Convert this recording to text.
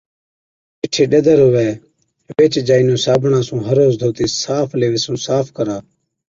جِٺي ڏَدر هُوَي ويهچ جائِي نُون صابڻا هر روز ڌوتِي صاف ليوي صاف ڪرا۔